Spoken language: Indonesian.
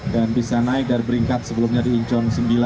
dan bisa naik dari beringkat sebelumnya di incon sembilan